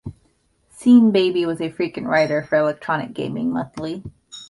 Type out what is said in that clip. Seanbaby was a frequent writer for "Electronic Gaming Monthly".